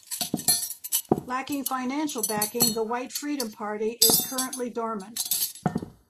Lacking financial backing, the "White Freedom Party" is currently dormant.